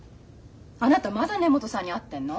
あなたまだ根本さんに会ってんの？